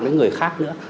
với người khác nữa